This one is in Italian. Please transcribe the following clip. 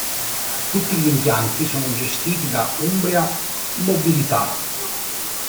Tutti gli impianti sono gestiti da Umbria Mobilità.